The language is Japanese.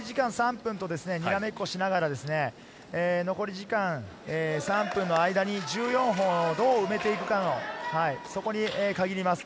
ここは残り時間３分とにらめっこしながら、残り時間、３分の間に１４本をどう埋めていくかの、そこに限ります。